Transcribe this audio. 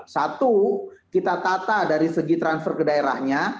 satu kita tata dari segi transfer ke daerahnya